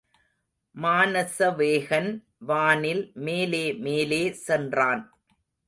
மானசவேகன் வானில் மேலே மேலே சென்றான்.